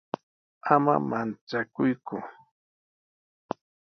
Ama manchakuyku.